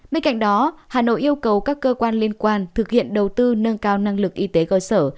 bên cạnh đó hà nội yêu cầu các cơ quan liên quan thực hiện đầu tư nâng cao năng lực y tế cơ sở